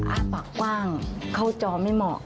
อ้าปากกว้างเข้าจอไม่เหมาะ